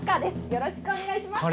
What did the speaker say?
よろしくお願いします